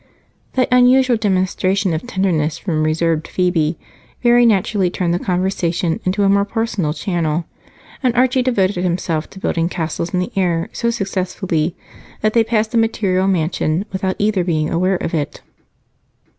That unusual demonstration of tenderness from reserved Phebe very naturally turned the conversation into a more personal channel, and Archie devoted himself to building castles in the air so successfully that they passed the material mansion without either being aware of it.